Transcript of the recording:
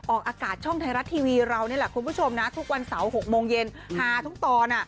ออกอากาศช่องไทยรัฐทีวีเรานี่แหละคุณผู้ชมนะทุกวันเสาร์๖โมงเย็นฮาทุกตอน